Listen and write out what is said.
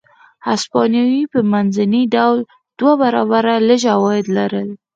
هسپانوي په منځني ډول دوه برابره لږ عواید لرل.